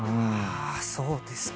そうですか。